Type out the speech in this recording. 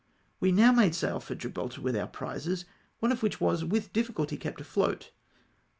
We now made sail for Gibraltar with our prizes, one of which was with difficulty kept afloat.